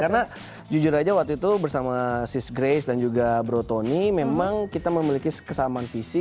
karena jujur aja waktu itu bersama sis grace dan juga bro tony memang kita memiliki kesamaan visi